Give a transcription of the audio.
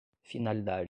finalidade